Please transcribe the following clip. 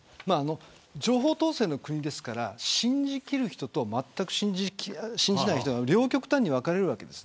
情報統制の国ですから信じきる人とまったく信じない人の両極端に分かれるわけです。